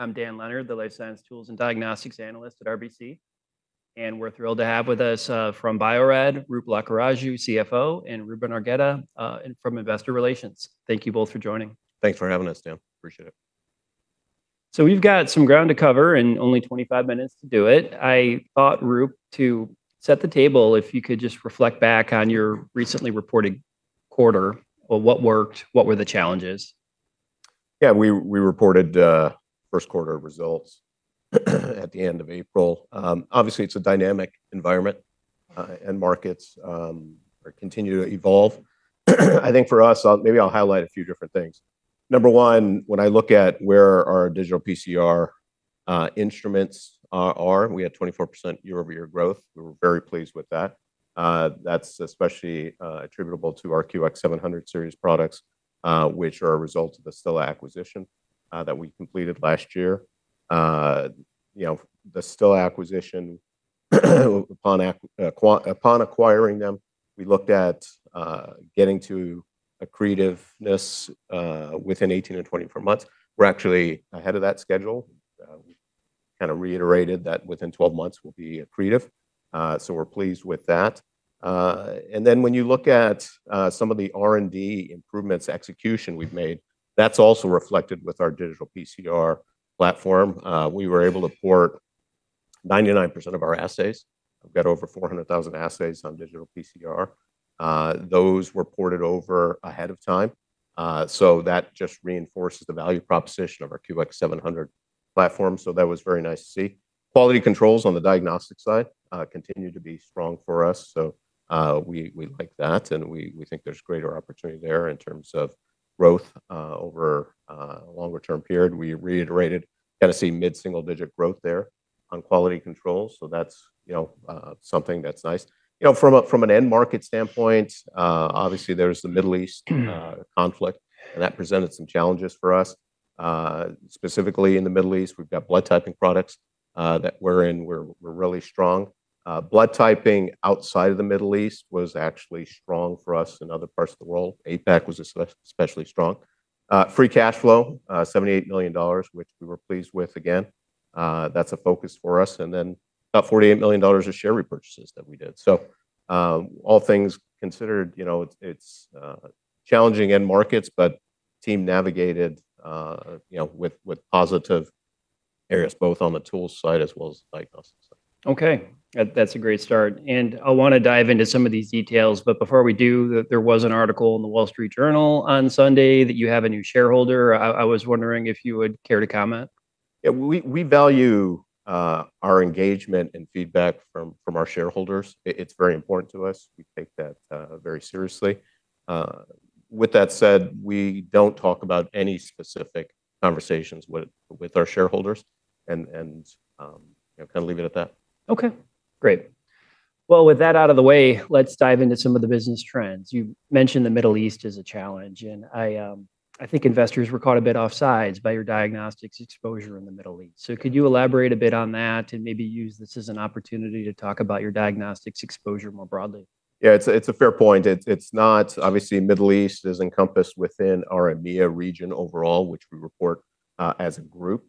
I'm Dan Leonard, the life science tools and diagnostics analyst at RBC, and we're thrilled to have with us from Bio-Rad, Roop Lakkaraju, CFO, and Ruben Argueta from Investor Relations. Thank you both for joining. Thanks for having us, Dan. Appreciate it. We've got some ground to cover and only 25 minutes to do it. I thought, Roop, to set the table, if you could just reflect back on your recently reported quarter. Well, what worked? What were the challenges? We reported first quarter results at the end of April. Obviously, it's a dynamic environment, and markets are continue to evolve. I think for us, maybe I'll highlight a few different things. Number one, when I look at where our digital PCR instruments are, we had 24% year-over-year growth. We were very pleased with that. That's especially attributable to our QX700 series products, which are a result of the Stilla acquisition that we completed last year. You know, the Stilla acquisition, upon acquiring them, we looked at getting to accretiveness within 18-24 months. We're actually ahead of that schedule. Kinda reiterated that within 12 months we'll be accretive, so we're pleased with that. When you look at some of the R&D improvements execution we've made, that's also reflected with our digital PCR platform. We were able to port 99% of our assays. We've got over 400,000 assays on digital PCR. Those were ported over ahead of time, so that just reinforces the value proposition of our QX700 platform, so that was very nice to see. Quality controls on the diagnostic side continue to be strong for us, we like that, and we think there's greater opportunity there in terms of growth over a longer-term period. We reiterated kind of see mid-single-digit growth there on quality controls, so that's, you know, something that's nice. You know, from an end market standpoint, obviously, there's the Middle East conflict, that presented some challenges for us. Specifically in the Middle East, we've got blood typing products that we're in. We're really strong. Blood typing outside of the Middle East was actually strong for us in other parts of the world. APAC was especially strong. Free cash flow, $78 million, which we were pleased with again. That's a focus for us. About $48 million of share repurchases that we did. All things considered, you know, it's challenging end markets, but team navigated, you know, with positive areas, both on the tools side as well as diagnostics side. Okay. That's a great start. I wanna dive into some of these details, but before we do, there was an article in The Wall Street Journal on Sunday that you have a new shareholder. I was wondering if you would care to comment? Yeah. We value our engagement and feedback from our shareholders. It's very important to us. We take that very seriously. With that said, we don't talk about any specific conversations with our shareholders and, you know, kinda leave it at that. Okay. Great. Well, with that out of the way, let's dive into some of the business trends. You mentioned the Middle East as a challenge, and I think investors were caught a bit off sides by your diagnostics exposure in the Middle East. Could you elaborate a bit on that and maybe use this as an opportunity to talk about your diagnostics exposure more broadly? Yeah. It's a fair point. Obviously, Middle East is encompassed within our EMEIA region overall, which we report as a group.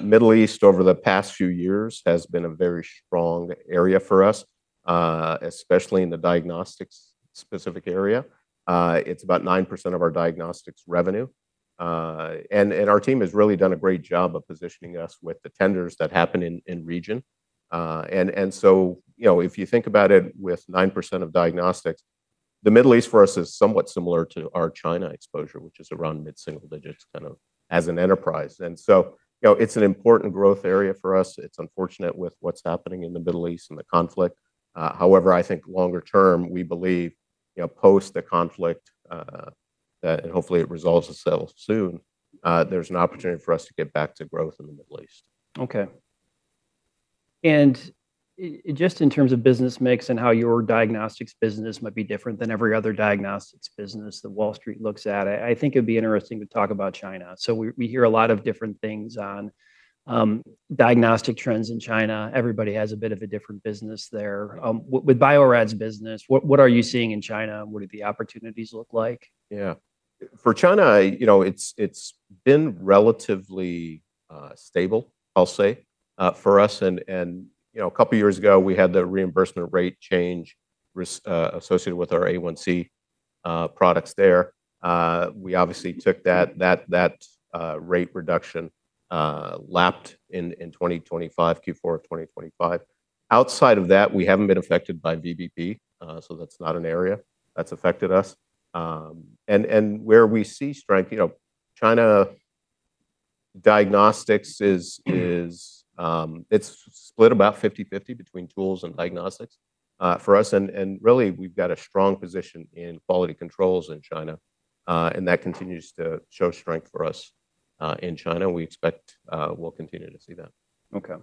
Middle East, over the past few years, has been a very strong area for us, especially in the diagnostics specific area. It's about 9% of our diagnostics revenue. Our team has really done a great job of positioning us with the tenders that happen in region. You know, if you think about it with 9% of diagnostics, the Middle East for us is somewhat similar to our China exposure, which is around mid-single digits, kind of as an enterprise. You know, it's an important growth area for us. It's unfortunate with what's happening in the Middle East and the conflict. I think longer term, we believe, you know, post the conflict, that and hopefully it resolves itself soon, there's an opportunity for us to get back to growth in the Middle East. Okay. Just in terms of business mix and how your diagnostics business might be different than every other diagnostics business that Wall Street looks at, I think it'd be interesting to talk about China. We hear a lot of different things on diagnostic trends in China. Everybody has a bit of a different business there. With Bio-Rad's business, what are you seeing in China? What do the opportunities look like? Yeah. For China, you know, it's been relatively stable, I'll say, for us. You know, a couple of years ago, we had the reimbursement rate change associated with our A1C products there. We obviously took that rate reduction, lapped in 2025, Q4 of 2025. Outside of that, we haven't been affected by VBP, that's not an area that's affected us. Where we see strength, you know, China diagnostics is, it's split about 50/50 between tools and diagnostics for us. Really we've got a strong position in quality controls in China, that continues to show strength for us in China. We expect we'll continue to see that. Okay.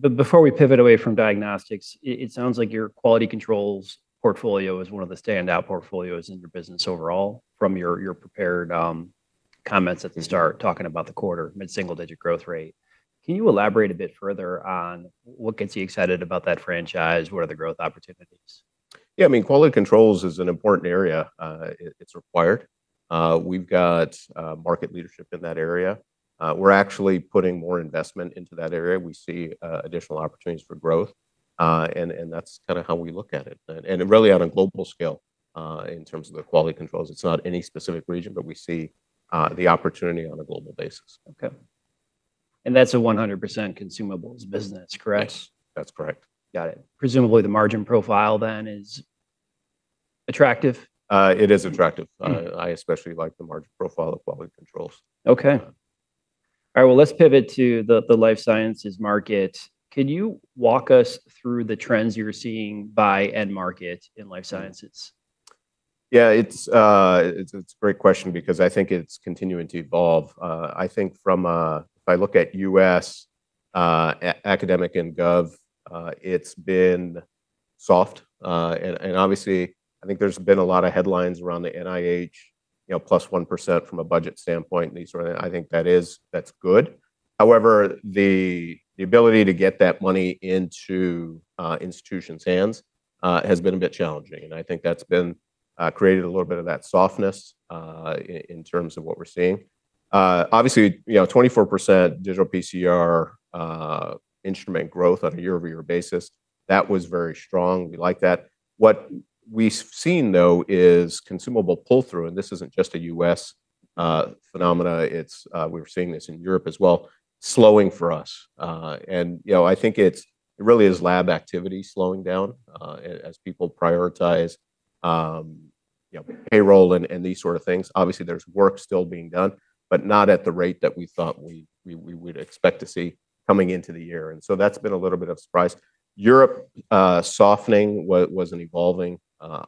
Before we pivot away from diagnostics, it sounds like your quality controls portfolio is one of the standout portfolios in your business overall from your prepared comments at the start talking about the quarter mid-single digit growth rate. Can you elaborate a bit further on what gets you excited about that franchise? What are the growth opportunities? Yeah, I mean, quality controls is an important area. It's required. We've got market leadership in that area. We're actually putting more investment into that area. We see additional opportunities for growth, and that's kind of how we look at it. Really on a global scale, in terms of the quality controls. It's not any specific region, but we see the opportunity on a global basis. Okay. That's a 100% consumables business, correct? Yes, that's correct. Got it. Presumably, the margin profile then is attractive. It is attractive. I especially like the margin profile of quality controls. Okay. Yeah. All right. Well, let's pivot to the life sciences market. Can you walk us through the trends you're seeing by end market in life sciences? Yeah, it's a great question because I think it's continuing to evolve. I think from a If I look at U.S. academic and gov, it's been soft. Obviously, I think there's been a lot of headlines around the NIH, you know, +1% from a budget standpoint. I think that's good. However, the ability to get that money into institutions' hands has been a bit challenging, and I think that's been created a little bit of that softness in terms of what we're seeing. Obviously, you know, 24% digital PCR instrument growth on a year-over-year basis. That was very strong. We like that. What we've seen, though, is consumable pull-through, and this isn't just a U.S. phenomena, it's we're seeing this in Europe as well, slowing for us. You know, I think it really is lab activity slowing down, as people prioritize, you know, payroll and these sort of things. Obviously, there's work still being done, but not at the rate that we thought we would expect to see coming into the year, that's been a little bit of surprise. Europe softening was an evolving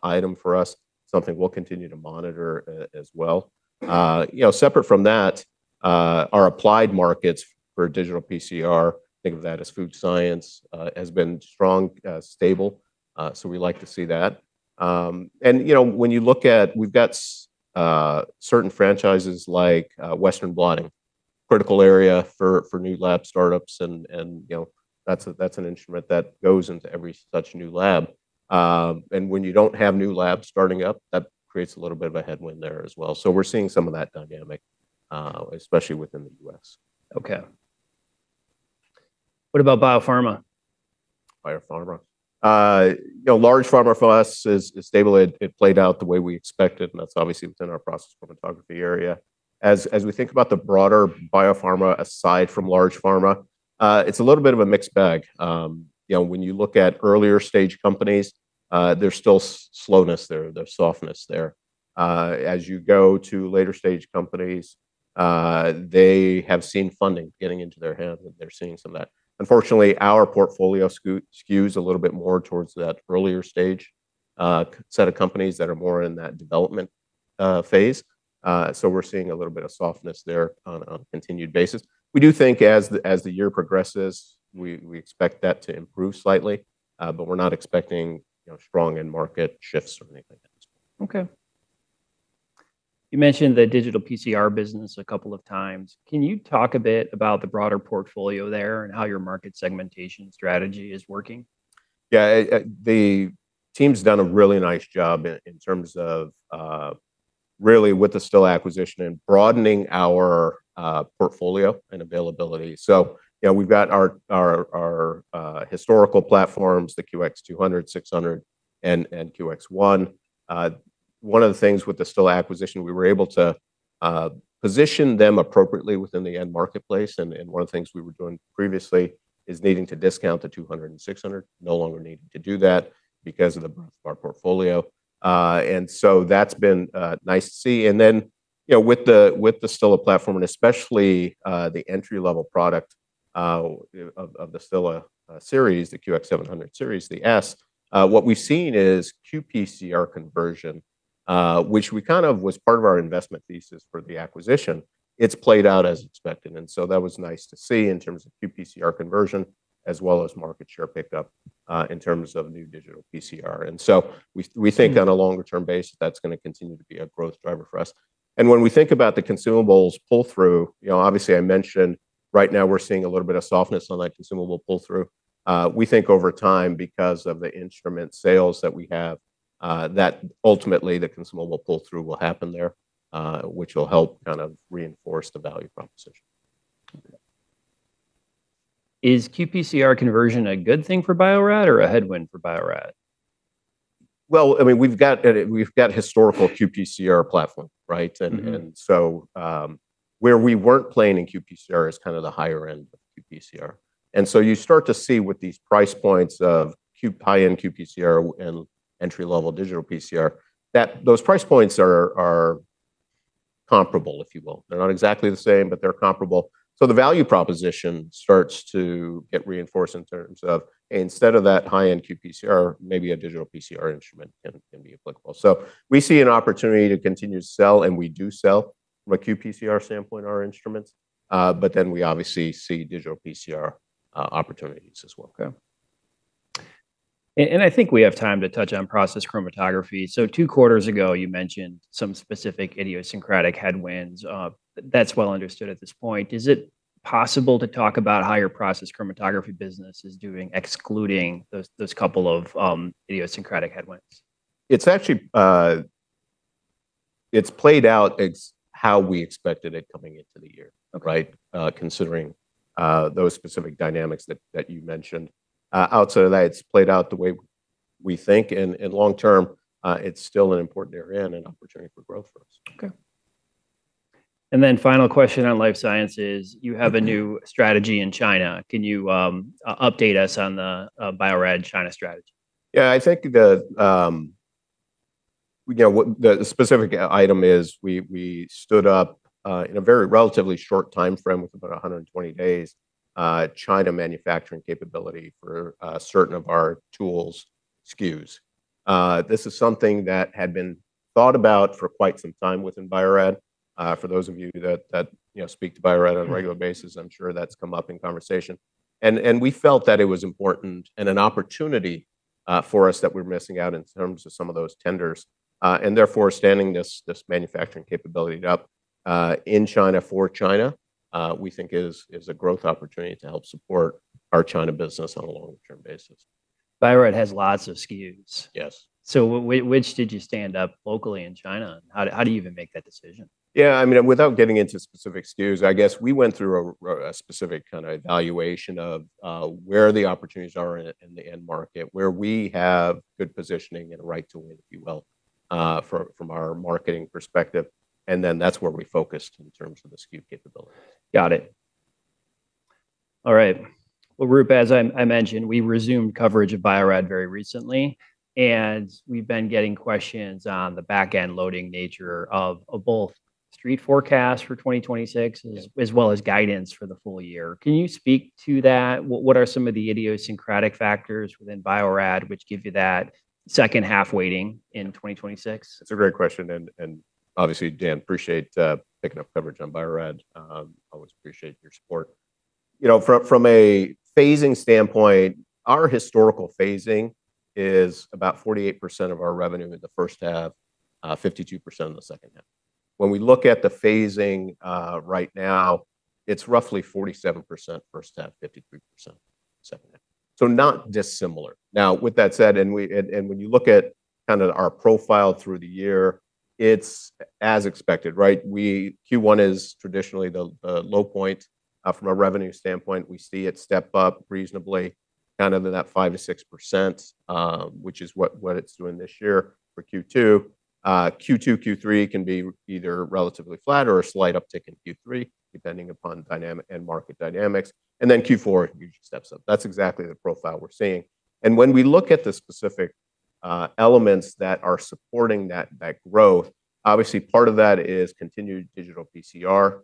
item for us, something we'll continue to monitor as well. You know, separate from that, our applied markets for digital PCR, think of that as food science, has been strong, stable, we like to see that. You know, when you look at We've got certain franchises like Western blotting, critical area for new lab startups and you know, that's an instrument that goes into every such new lab. When you don't have new labs starting up, that creates a little bit of a headwind there as well. We're seeing some of that dynamic especially within the U.S. Okay. What about biopharma? Biopharma. You know, large pharma for us is stable. It played out the way we expected, that's obviously within our process chromatography area. As we think about the broader biopharma aside from large pharma, it's a little bit of a mixed bag. You know, when you look at earlier stage companies, there's still slowness there. There's softness there. As you go to later stage companies, they have seen funding getting into their hands, they're seeing some of that. Unfortunately, our portfolio skews a little bit more towards that earlier stage set of companies that are more in that development phase. We're seeing a little bit of softness there on a continued basis. We do think as the year progresses, we expect that to improve slightly, but we're not expecting, you know, strong end market shifts or anything like that. Okay. You mentioned the digital PCR business a couple of times. Can you talk a bit about the broader portfolio there and how your market segmentation strategy is working? The team's done a really nice job in terms of really with the Stilla acquisition and broadening our portfolio and availability. We've got our historical platforms, the QX200, QX600, and QX ONE. One of the things with the Stilla acquisition, we were able to position them appropriately within the end marketplace, and one of the things we were doing previously is needing to discount the 200 and 600. No longer needing to do that because of the breadth of our portfolio. That's been nice to see. You know, with the Stilla platform, and especially the entry-level product of the Stilla series, the QX700 series, what we've seen is qPCR conversion, which we kind of was part of our investment thesis for the acquisition. It's played out as expected, that was nice to see in terms of qPCR conversion as well as market share pickup in terms of new digital PCR. We think on a longer term basis, that's gonna continue to be a growth driver for us. When we think about the consumables pull-through, you know, obviously, I mentioned right now we're seeing a little bit of softness on that consumable pull-through. We think over time, because of the instrument sales that we have, that ultimately the consumable pull-through will happen there, which will help kind of reinforce the value proposition. Is qPCR conversion a good thing for Bio-Rad or a headwind for Bio-Rad? Well, I mean, we've got historical qPCR platform, right? Where we weren't playing in qPCR is kind of the higher end of qPCR. You start to see with these price points of high-end qPCR and entry-level digital PCR, that those price points are comparable, if you will. They're not exactly the same, but they're comparable. The value proposition starts to get reinforced in terms of instead of that high-end qPCR, maybe a digital PCR instrument can be applicable. We see an opportunity to continue to sell, and we do sell from a qPCR sampling our instruments. We obviously see digital PCR opportunities as well. Okay. I think we have time to touch on process chromatography. Two quarters ago, you mentioned some specific idiosyncratic headwinds. That's well understood at this point. Is it possible to talk about how your process chromatography business is doing, excluding those couple of idiosyncratic headwinds? It's actually, it's played out how we expected it coming into the year. Okay. Right? Considering those specific dynamics that you mentioned, outside of that, it's played out the way we think. Long term, it's still an important area and an opportunity for growth for us. Okay. Final question on life sciences. You have a new strategy in China. Can you update us on the Bio-Rad China strategy? Yeah. I think the, you know, what the specific item is we stood up in a very relatively short timeframe, with about 120 days, China manufacturing capability for certain of our tools SKUs. This is something that had been thought about for quite some time within Bio-Rad. For those of you that, you know, speak to Bio-Rad on a regular basis, I'm sure that's come up in conversation. We felt that it was important and an opportunity for us that we're missing out in terms of some of those tenders. Therefore standing this manufacturing capability up in China for China, we think is a growth opportunity to help support our China business on a long-term basis. Bio-Rad has lots of SKUs. Yes. Which did you stand up locally in China? How do you even make that decision? Yeah, I mean, without getting into specific SKUs, I guess we went through a specific kind of evaluation of where the opportunities are in the end market, where we have good positioning and a right to win, if you will, from our marketing perspective, and then that's where we focused in terms of the SKU capability. Got it. All right. Well, Roop, as I mentioned, we resumed coverage of Bio-Rad very recently. We've been getting questions on the back-end loading nature of both street forecast for 2026. Yeah as well as guidance for the full year. Can you speak to that? What are some of the idiosyncratic factors within Bio-Rad which give you that second half waiting in 2026? That's a great question. Obviously, Dan, appreciate picking up coverage on Bio-Rad. Always appreciate your support. You know, from a phasing standpoint, our historical phasing is about 48% of our revenue in the first half, 52% in the second half. When we look at the phasing right now, it's roughly 47% first half, 53% second half. Not dissimilar. Now, with that said, when you look at kind of our profile through the year, it's as expected, right? Q1 is traditionally the low point from a revenue standpoint. We see it step up reasonably kind of in that 5%-6%, which is what it's doing this year for Q2. Q2, Q3 can be either relatively flat or a slight uptick in Q3, depending upon end market dynamics. Q4 usually steps up. That's exactly the profile we're seeing. When we look at the specific elements that are supporting that growth, obviously part of that is continued digital PCR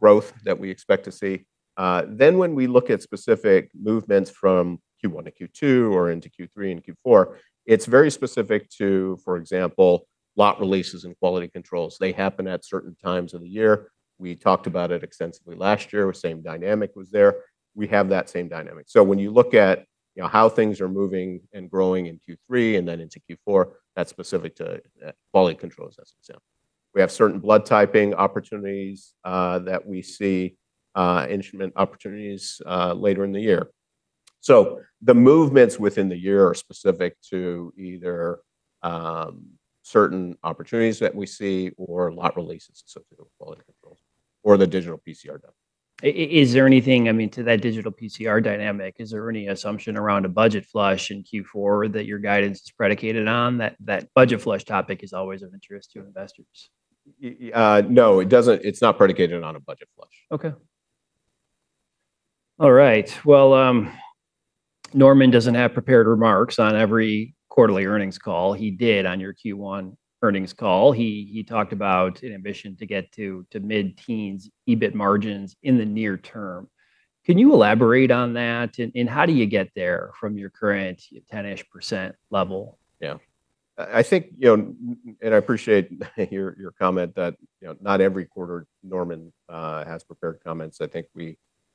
growth that we expect to see. When we look at specific movements from Q1 to Q2 or into Q3 and Q4, it's very specific to, for example, lot releases and quality controls. They happen at certain times of the year. We talked about it extensively last year. Same dynamic was there. We have that same dynamic. When you look at, you know, how things are moving and growing in Q3 and then into Q4, that's specific to quality control assessments. Yeah. We have certain blood typing opportunities, that we see, instrument opportunities, later in the year. The movements within the year are specific to either, certain opportunities that we see or lot releases associated with quality controls or the digital PCR done. Is there anything, I mean, to that digital PCR dynamic, is there any assumption around a budget flush in Q4 that your guidance is predicated on? That budget flush topic is always of interest to investors. No, it doesn't, it's not predicated on a budget flush. Okay. All right. Well, Norman doesn't have prepared remarks on every quarterly earnings call. He did on your Q1 earnings call. He talked about an ambition to get to mid-teens EBIT margins in the near term. Can you elaborate on that and how do you get there from your current ten-ish % level? Yeah. I think, you know, and I appreciate your comment that, you know, not every quarter Norman, has prepared comments. I think when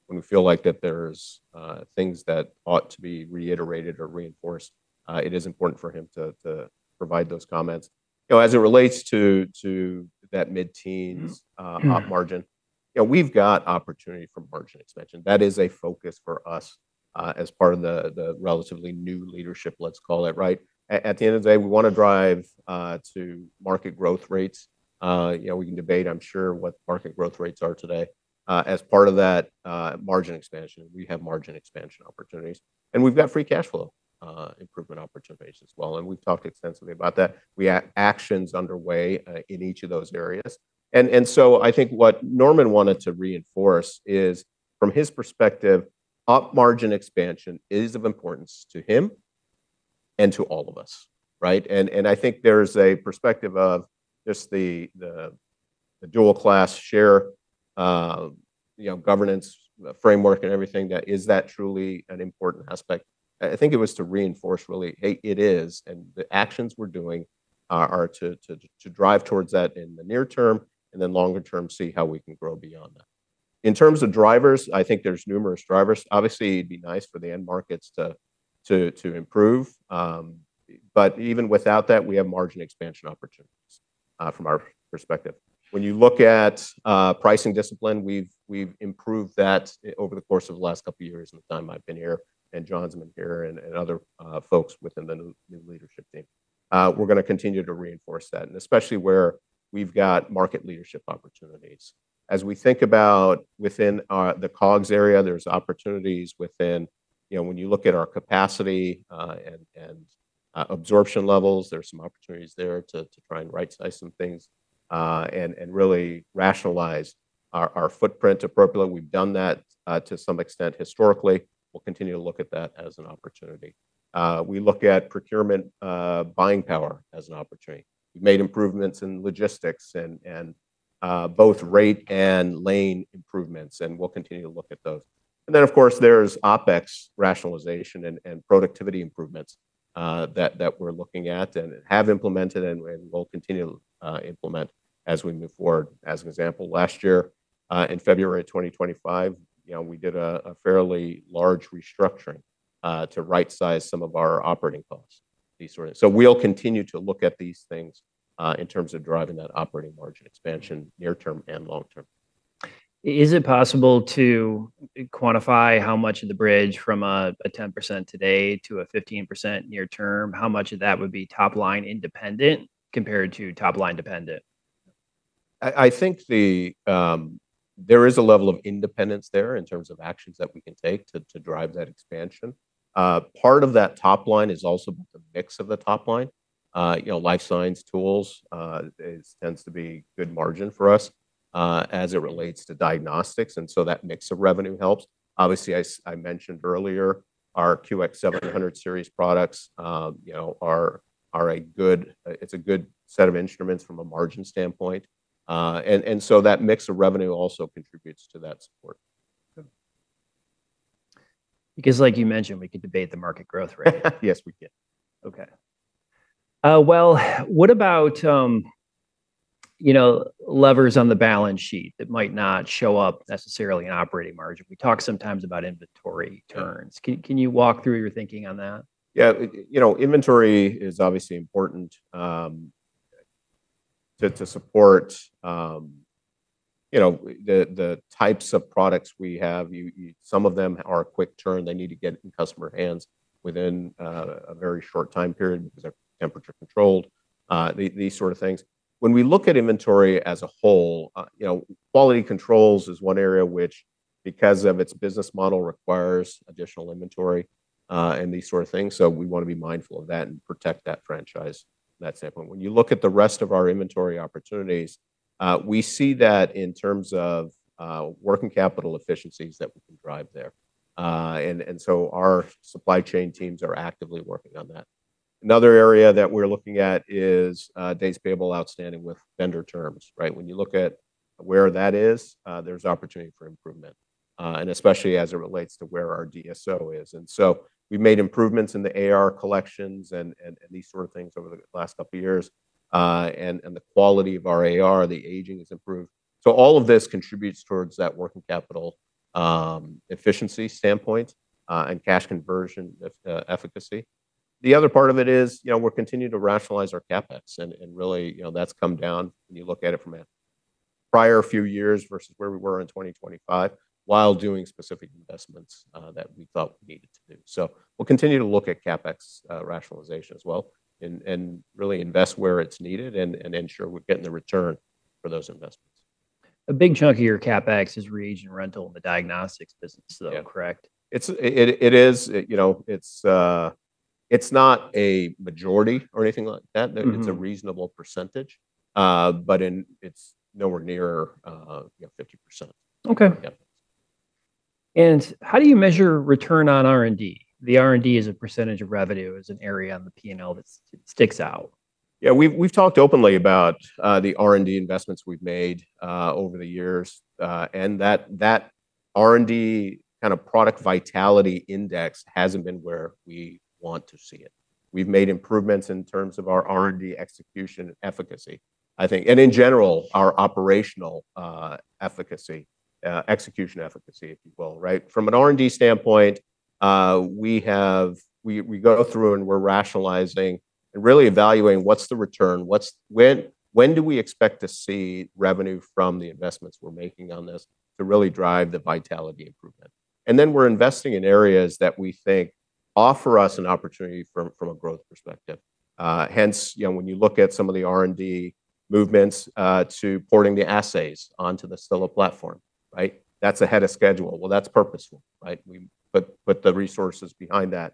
we feel like that there's, things that ought to be reiterated or reinforced, it is important for him to provide those comments. You know, as it relates to that mid-teens. Mm-hmm. Mm-hmm. op margin, you know, we've got opportunity from margin expansion. That is a focus for us, as part of the relatively new leadership, let's call it, right? At the end of the day, we wanna drive to market growth rates. You know, we can debate, I'm sure, what market growth rates are today. As part of that, margin expansion, we have margin expansion opportunities. We've got free cash flow improvement opportunities as well. We've talked extensively about that. We have actions underway in each of those areas. I think what Norman wanted to reinforce is, from his perspective, op margin expansion is of importance to him and to all of us, right? I think there's a perspective of just the dual class share, you know, governance framework and everything that is that truly an important aspect? I think it was to reinforce really, hey, it is, and the actions we're doing are to drive towards that in the near term, and then longer term, see how we can grow beyond that. In terms of drivers, I think there's numerous drivers. Obviously, it'd be nice for the end markets to improve. Even without that, we have margin expansion opportunities from our perspective. When you look at pricing discipline, we've improved that over the course of the last couple of years in the time I've been here and John's been here and other folks within the new leadership team. We're gonna continue to reinforce that, and especially where we've got market leadership opportunities. As we think about within the COGS area, there's opportunities within You know, when you look at our capacity, and absorption levels, there's some opportunities there to try and right-size some things, and really rationalize our footprint appropriately. We've done that to some extent historically. We'll continue to look at that as an opportunity. We look at procurement, buying power as an opportunity. We've made improvements in logistics and both rate and lane improvements, and we'll continue to look at those. Then, of course, there's OpEx rationalization and productivity improvements that we're looking at and have implemented and will continue to implement as we move forward. As an example, last year, in February of 2025, you know, we did a fairly large restructuring to right-size some of our operating costs. We'll continue to look at these things in terms of driving that operating margin expansion near term and long term. Is it possible to quantify how much of the bridge from a 10% today to a 15% near term, how much of that would be top line independent compared to top line dependent? I think there is a level of independence there in terms of actions that we can take to drive that expansion. Part of that top line is also the mix of the top line. You know, life science tools tends to be good margin for us as it relates to diagnostics, and so that mix of revenue helps. Obviously, I mentioned earlier, our QX700 series products, you know, are a good it's a good set of instruments from a margin standpoint. So that mix of revenue also contributes to that support. Good. Like you mentioned, we could debate the market growth rate. Yes, we can. Okay. Well, what about, you know, levers on the balance sheet that might not show up necessarily in operating margin? We talk sometimes about inventory turns. Yeah. Can you walk through your thinking on that? Yeah. You know, inventory is obviously important, to support, you know, the types of products we have. Some of them are a quick turn. They need to get in customer hands within a very short time period 'cause they're temperature controlled, these sort of things. When we look at inventory as a whole, you know, quality controls is one area which, because of its business model, requires additional inventory, and these sort of things. We wanna be mindful of that and protect that franchise from that standpoint. When you look at the rest of our inventory opportunities, we see that in terms of working capital efficiencies that we can drive there. Our supply chain teams are actively working on that. Another area that we're looking at is days payable outstanding with vendor terms, right? When you look at where that is, there's opportunity for improvement, and especially as it relates to where our DSO is. We've made improvements in the AR collections and these sort of things over the last couple of years, and the quality of our AR, the aging has improved. All of this contributes towards that working capital, efficiency standpoint, and cash conversion efficacy. The other part of it is, you know, we're continuing to rationalize our CapEx and really, you know, that's come down when you look at it from a prior few years versus where we were in 2025, while doing specific investments that we thought we needed to do. We'll continue to look at CapEx, rationalization as well and really invest where it's needed and ensure we're getting the return for those investments. A big chunk of your CapEx is reagent rental in the diagnostics business. Yeah correct? It is. You know, it's not a majority or anything like that. It's a reasonable percentage, it's nowhere near, you know, 50%. Okay. Yeah. How do you measure return on R&D? The R&D as a % of revenue is an area on the P&L that sticks out. Yeah. We've talked openly about the R&D investments we've made over the years, and that R&D kind of product vitality index hasn't been where we want to see it. We've made improvements in terms of our R&D execution efficacy, I think. In general, our operational efficacy, execution efficacy, if you will, right? From an R&D standpoint, we go through and we're rationalizing and really evaluating what's the return, what's when do we expect to see revenue from the investments we're making on this to really drive the vitality improvement. We're investing in areas that we think offer us an opportunity from a growth perspective. Hence, you know, when you look at some of the R&D movements, to porting the assays onto the Stilla platform, right? That's ahead of schedule. Well, that's purposeful, right? We put the resources behind that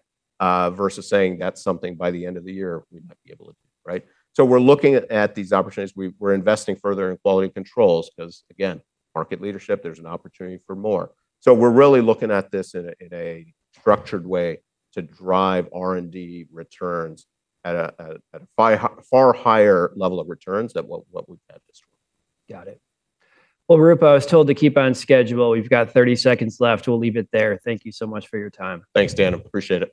versus saying that's something by the end of the year we might be able to do, right? We're looking at these opportunities. We're investing further in quality controls 'cause, again, market leadership, there's an opportunity for more. We're really looking at this in a structured way to drive R&D returns at a far higher level of returns than what we've had historically. Got it. Well, Roop Lakkaraju, I was told to keep on schedule. We've got 30 seconds left. We'll leave it there. Thank you so much for your time. Thanks, Dan. Appreciate it.